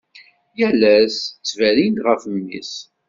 Yal ass ttberrin-d ɣef mmi-s.